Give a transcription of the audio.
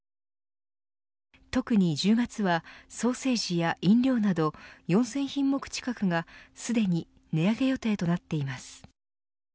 特に１０月は、ソーセージや飲料など４０００品目近くがすでに値上げ予定となっています。